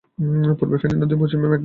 পূর্বে ফেনী নদী এবং পশ্চিমে মেঘনা।